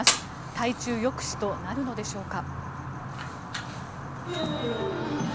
対中抑止となるのでしょうか。